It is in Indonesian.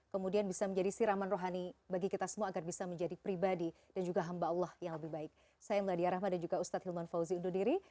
kemudian bisa menjadi siraman rohani bagi kita semua agar bisa menjadi pribadi dan juga hamba allah yang lebih baik saya meladia rahma dan juga ustadz hilman fauzi undur diri